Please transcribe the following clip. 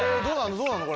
どうなるの？